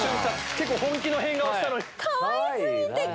結構本気の変顔したのに。